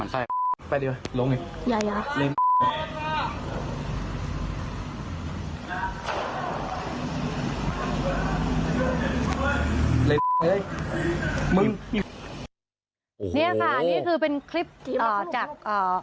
เห้ยมึงโอ้โหเนี้ยค่ะเนี้ยคือเป็นคลิปเอ่อจากเอ่อ